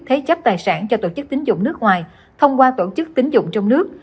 thế chấp tài sản cho tổ chức tín dụng nước ngoài thông qua tổ chức tính dụng trong nước